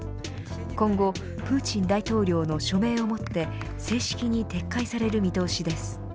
今後プーチン大統領の署名を持って正式に撤回される見通しです。